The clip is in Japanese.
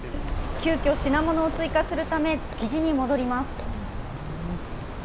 急きょ、品物を追加するため築地に戻ります。